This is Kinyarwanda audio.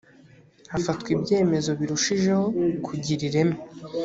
hafatwa ibyemezo birushijeho kugira ireme